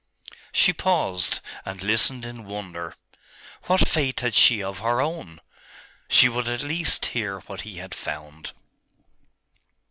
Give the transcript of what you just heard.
She paused, and listened in wonder. What faith had she of her own? She would at least hear what he had found....